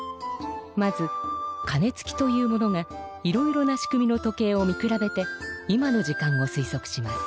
まず「かねつき」という者がいろいろな仕組みの時計を見くらべて今の時間をすいそくします。